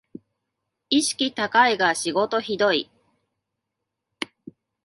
意識高いが仕事ひどい